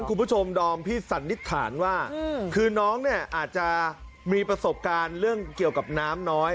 คุณผู้ชมดอมพี่สันนิษฐานว่าคือน้องเนี่ยอาจจะมีประสบการณ์เรื่องเกี่ยวกับน้ำน้อย